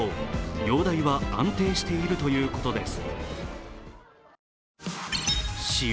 容体は安定しているということです。